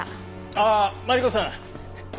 あっマリコさん。